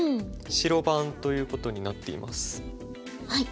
白番ということになっています。